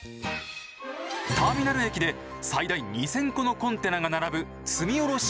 ターミナル駅で最大２，０００個のコンテナが並ぶ積み降ろし